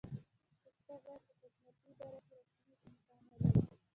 پښتو باید په حکومتي ادارو کې رسمي مقام ولري.